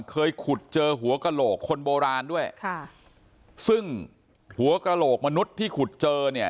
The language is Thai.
เคยขุดเจอหัวกระโหลกคนโบราณด้วยค่ะซึ่งหัวกระโหลกมนุษย์ที่ขุดเจอเนี่ย